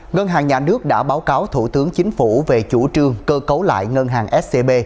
ngân hàng nhà nước đã báo cáo thủ tướng chính phủ về chủ trương cơ cấu lại ngân hàng scb